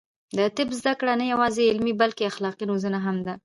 د طب زده کړه نه یوازې علمي، بلکې اخلاقي روزنه هم ده.